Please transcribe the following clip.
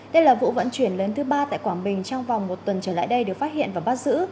đây là vụ vận chuyển lớn thứ ba tại quảng bình trong vòng một tuần trở lại đây được phát hiện và bắt giữ